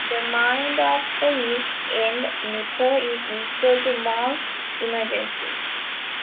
The mind of the East End nipper is equal to most emergencies.